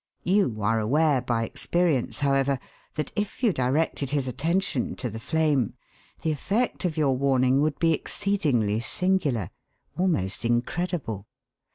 You are aware, by experience, however, that if you directed his attention to the flame, the effect of your warning would be exceedingly singular, almost incredible.